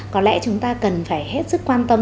có lẽ chúng ta cần phải hết sức quan tâm